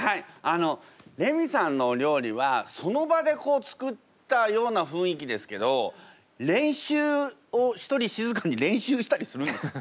あのレミさんのお料理はその場で作ったような雰囲気ですけど練習を一人静かに練習したりするんですか？